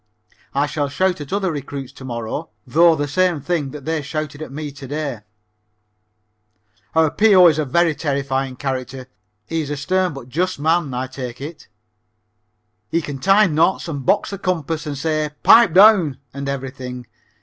I shall shout at other recruits to morrow, though, the same thing that they shouted at me to day. Our P.O. is a very terrifying character. He is a stern but just man, I take it. He can tie knots and box the compass and say "pipe down" and everything.